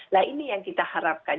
nah ini yang kita harapkan